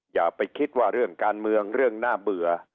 อย่าไปคิดว่าเรื่องการเมืองเรื่องน่าเบื่อ